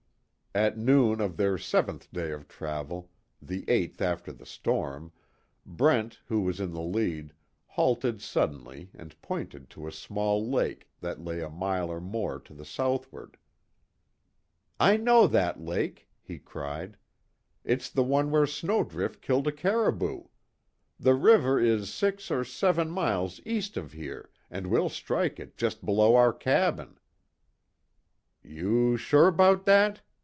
At noon of their seventh day of travel, the eighth after the storm, Brent, who was in the lead, halted suddenly and pointed to a small lake that lay a mile or more to the southward. "I know that lake!" he cried, "It's the one where Snowdrift killed a caribou! The river is six or seven miles east of here, and we'll strike it just below our cabin." "You sure 'bout dat'?."